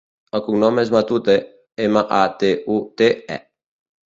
El cognom és Matute: ema, a, te, u, te, e.